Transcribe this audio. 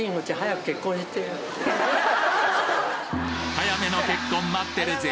早めの結婚待ってるぜ！